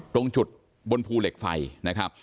ตรงจุดบนภูเหล็กไฟนะครับ